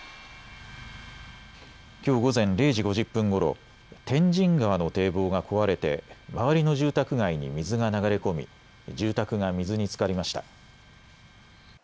きょう午前０時５０分ごろ天神川の堤防が壊れて周りの住宅街に水が流れ込み住宅が水につかりました。